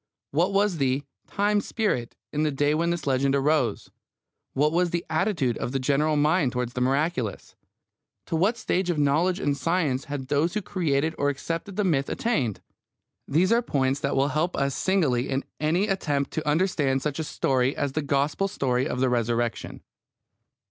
What was the "time spirit" in the day when this legend arose? What was the attitude of the general mind towards the miraculous? To what stage of knowledge and science had those who created or accepted the myth attained? These are points that will help us signally in any attempt to understand such a story as the Gospel story of the Resurrection.